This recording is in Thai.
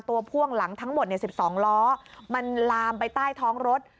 พ่วงหลังทั้งหมด๑๒ล้อมันลามไปใต้ท้องรถ